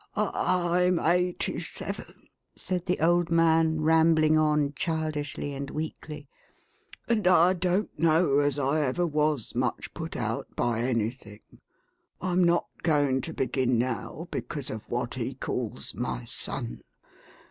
« I—I'm eighty seven," said the old man, rambling on, 490 THE HAUNTED MAX. childishly and weakly, " and I don't know as I ever was much put out by anything. I'm not going to begin now, because of what he calls my son.